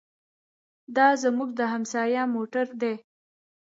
دا زموږ د همسایه موټر دی.